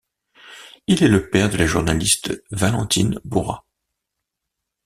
Il est le père de la journaliste Valentine Bourrat.